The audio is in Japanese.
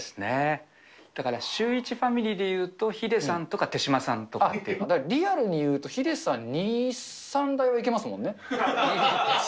だからシューイチファミリーでいうと、ヒデさんとか手嶋さんとか。リアルに言うと、ヒデさん、２、３台はいけますもんね。